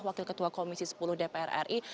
wakil ketua komisi sepuluh dpr ri